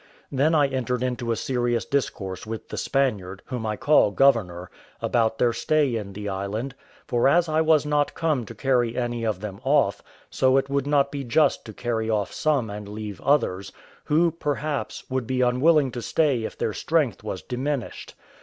Then I entered into a serious discourse with the Spaniard, whom I call governor, about their stay in the island; for as I was not come to carry any of them off, so it would not be just to carry off some and leave others, who, perhaps, would be unwilling to stay if their strength was diminished.